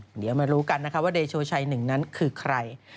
เดี๋ยวมารู้กันนะคะว่าเดโชชัยหนึ่งนั้นคือใคร